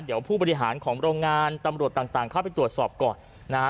เดี๋ยวผู้บริหารของโรงงานตำรวจต่างต่างเข้าไปตรวจสอบก่อนนะฮะ